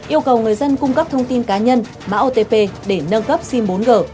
yêu cầu người dân cung cấp thông tin cá nhân mã otp để nâng cấp sim bốn g